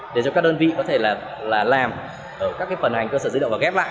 để cho các đơn vị có thể làm ở các phần hành cơ sở dữ liệu và ghép lại